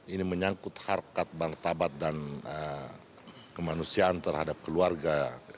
ini menyangkut harkat martabat dan kemanusiaan terhadap keluarga